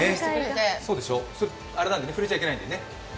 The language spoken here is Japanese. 触れちゃいけないんだよね？